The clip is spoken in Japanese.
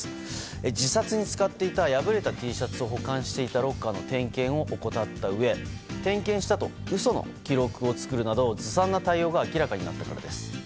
自殺に使っていた破れたＴシャツを保管していたロッカーの点検を怠ったうえ点検したと嘘の記録を作るなどずさんな対応が明らかになったんです。